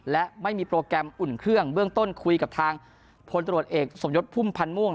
และไม่มีโปรแกรมอุ่นเครื่องเบื้องต้นคุยกับทางพลตรวจเอกสมยศพุ่มพันธ์ม่วง